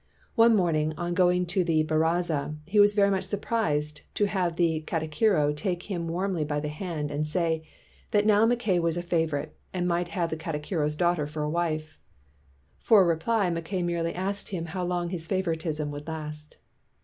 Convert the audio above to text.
One morning on going to baraza, he was very much surprised to have the kati kiro take him warmly by the hand and say that now Mackay was a favorite, and might have the katikiro's daughter for a wife. For a reply, Mackay merely asked him how long his favoritism would last.